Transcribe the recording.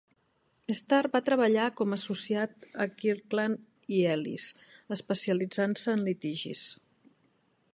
Starr va treballar com a associat a Kirkland i Ellis, especialitzant-se en litigis.